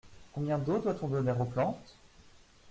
Combien d’eau doit-on donner aux plantes ?